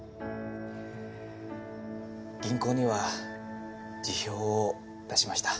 銀行には辞表を出しました。